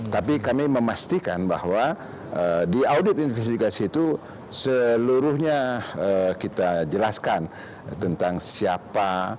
tapi kami memastikan bahwa di audit investigasi itu seluruhnya kita jelaskan tentang siapa